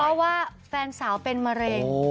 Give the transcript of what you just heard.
เพราะว่าแฟนสาวเป็นมะเร็ง